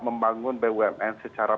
membangun bumn secara